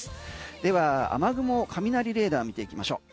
では雨雲、雷レーダーを見ていきましょう。